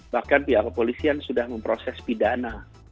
bahkan pihak kepolisian sudah memproses pidana